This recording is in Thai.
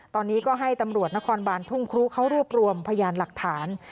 ตอนนี้ก็ให้ตำรวจนครบานทุ่งครูเขารวบรวมพยานหลักฐาน